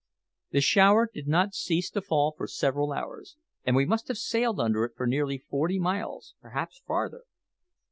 The shower did not cease to fall for several hours, and we must have sailed under it for nearly forty miles perhaps farther.